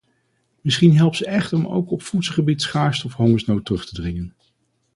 Misschien helpt ze echt om ook op voedselgebied schaarste of hongersnood terug te dringen.